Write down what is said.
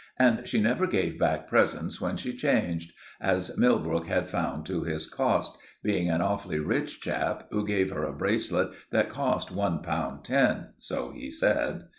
And she never gave back presents when she changed; as Millbrook had found to his cost, being an awfully rich chap, who gave her a bracelet that cost one pound ten—so he said.